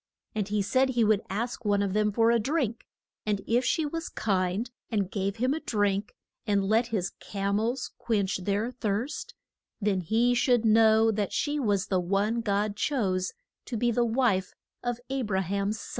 And he said he would ask one of them for a drink, and if she was kind and gave him a drink, and let his cam els quench their thirst, then he should know that she was the one God chose to be the wife of A bra ham's son.